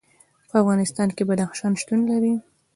په افغانستان کې بدخشان شتون لري.